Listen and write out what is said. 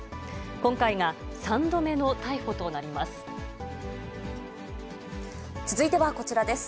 今回が３度目の逮捕となります。